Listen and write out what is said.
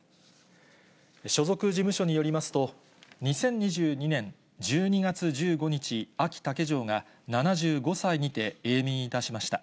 所属事務所によりますと、２０２２年１２月１５日、あき竹城が７５歳にて永眠いたしました。